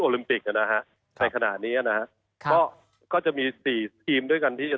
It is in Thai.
ลิมปิกอ่ะนะฮะในขณะนี้นะฮะก็ก็จะมีสี่ทีมด้วยกันที่จะ